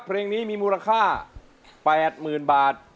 เพลงนี้มีมูลค่า๘๐๐๐บาท